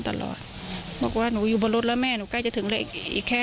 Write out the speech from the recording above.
โทรไปถามว่าแม่ช่วยด้วยถูกจับ